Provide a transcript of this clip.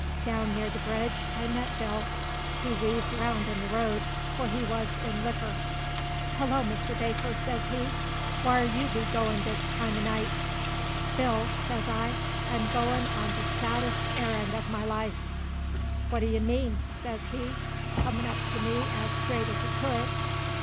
Down near the bridge I met Bill; he weaved round in the road, for he wuz in likker. "Hello, Mr. Baker," sez he, "whar be you goin' this time o' night?" "Bill," sez I, "I'm goin' on the saddest errand uv my life." "What d' ye mean?" sez he, comin' up to me as straight as he c'u'd.